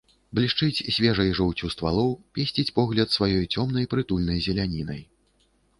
Блішчыць свежай жоўцю ствалоў, песціць погляд сваёй цёмнай прытульнай зелянінай.